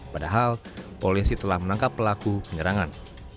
padahal polisi telah menangkap pelaku penyerangan